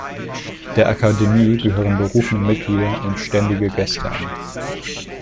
Der Akademie gehören berufene Mitglieder und ständige Gäste an.